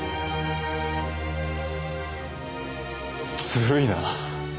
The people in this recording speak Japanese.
ずるいな。